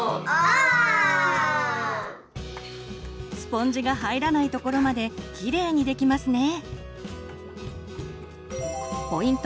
スポンジが入らないところまでキレイにできますね。